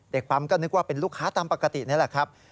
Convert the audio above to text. ปั๊มก็นึกว่าเป็นลูกค้าตามปกตินี่แหละครับ